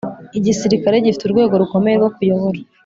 igisirikare gifite urwego rukomeye rwo kuyobora.